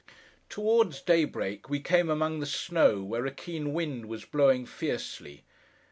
Towards daybreak, we came among the snow, where a keen wind was blowing fiercely.